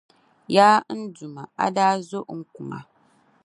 Yaa n Duuma, a daa zo n kuŋa.